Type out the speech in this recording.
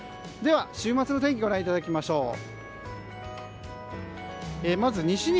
では、週末の天気ご覧いただきましょう。